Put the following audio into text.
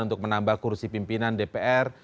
untuk menambah kursi pimpinan dpr